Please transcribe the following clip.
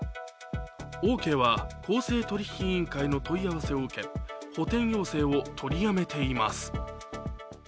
オーケーは公正取引委員会の問い合わせを受け補填要請を取りやめています。